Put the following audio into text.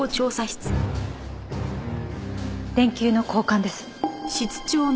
電球の交換です。